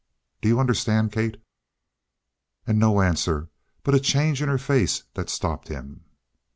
Do you understand, Kate?" And no answer; but a change in her face that stopped him.